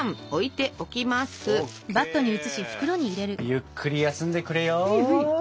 ゆっくり休んでくれよ。